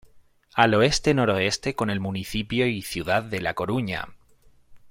Al oeste-noroeste con el municipio y ciudad de La Coruña.